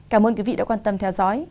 cảm ơn quý vị đã quan tâm theo dõi